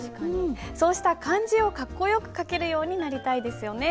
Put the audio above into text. そうした漢字をかっこよく書けるようになりたいですよね。